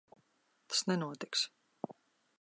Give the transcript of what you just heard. Tas nenotiks.